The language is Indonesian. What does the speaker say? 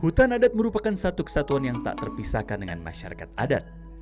hutan adat merupakan satu kesatuan yang tak terpisahkan dengan masyarakat adat